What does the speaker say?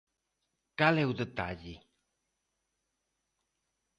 Cal é o detalle?